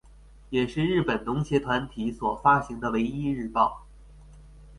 也是日本农协团体所发行的唯一日报。